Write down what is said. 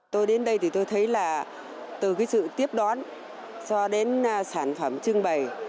tôi đến đây thì tôi thấy là từ cái sự tiếp đón cho đến sản phẩm trưng bày